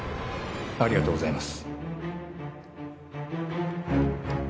ありがとうございます。